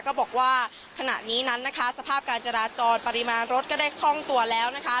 ก็บอกว่าขณะนี้นั้นนะคะสภาพการจราจรปริมาณรถก็ได้คล่องตัวแล้วนะคะ